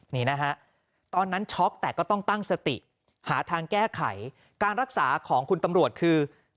นี่นะฮะตอนนั้นช็อกแต่ก็ต้องตั้งสติหาทางแก้ไขการรักษาของคุณตำรวจคือ